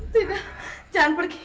tifa jangan pergi